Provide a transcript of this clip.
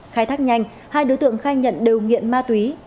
khai thác nhanh hai đối tượng khai nhận đều nghiện ma túy